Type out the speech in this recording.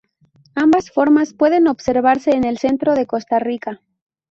Ambas formas pueden observarse en el centro de Costa Rica.